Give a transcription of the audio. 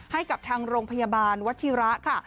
ให้กับทางโรงพยาบาลวัชิระค่ะ